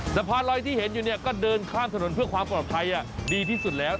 สะพานลอยที่เห็นอยู่เนี่ยก็เดินข้ามถนนเพื่อความปลอดภัยดีที่สุดแล้ว